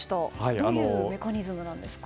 どういうメカニズムなんですか？